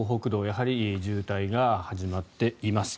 やはり渋滞が始まっています。